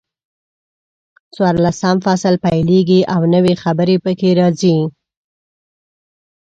څلورلسم فصل پیلېږي او نوي خبرې پکې راځي.